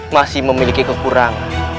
masih memiliki kekurangan